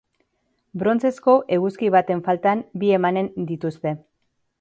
Brontzezko eguzki baten faltan, bi emanen dituzte.